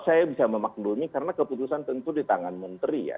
saya bisa memaklumi karena keputusan tentu di tangan menteri ya